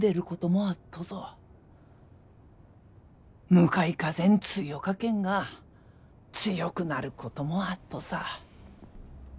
向かい風ん強かけんが強くなることもあっとさ。